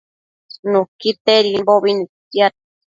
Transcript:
Nuquitedimbobi ictiad